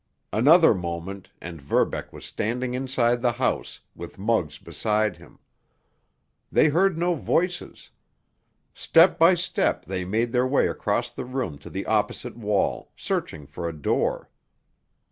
Another moment, and Verbeck was standing inside the house, with Muggs beside him. They heard no voices. Step by step they made their way across the room to the opposite wall, searching for a door.